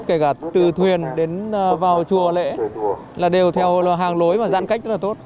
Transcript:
kể cả từ thuyền đến vào chùa lễ là đều theo hàng lối và giãn cách rất là tốt